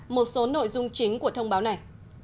một số nội dung chính của thông báo này